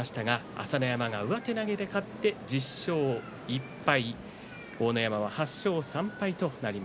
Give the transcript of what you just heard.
朝乃山が上手投げで勝って１０勝１敗。